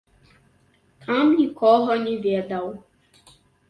Там нікога не ведаў.